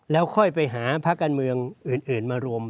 แล้วค่อยไปหาพระการเมืองมารวม